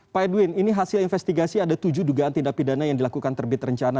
pak edwin ini hasil investigasi ada tujuh dugaan tindak pidana yang dilakukan terbit rencana